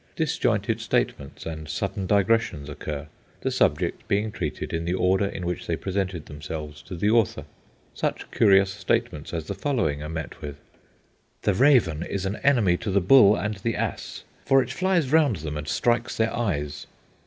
Disjointed statements and sudden digressions occur, the subjects being treated in the order in which they presented themselves to the author. Such curious statements as the following are met with: "The raven is an enemy to the bull and the ass, for it flies round them and strikes their eyes."